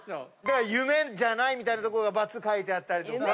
「夢じゃない」みたいなとこがバツ描いてあったりとか。